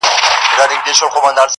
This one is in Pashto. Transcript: o کټو په درې واره ماتېږي.